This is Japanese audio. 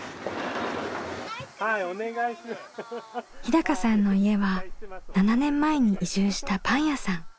日さんの家は７年前に移住したパン屋さん。